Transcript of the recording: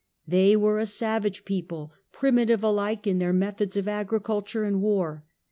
They were a savage people, primitive alike in their methods of agriculture and war.